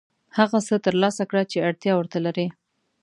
هغه څه ترلاسه کړه چې اړتیا ورته لرې.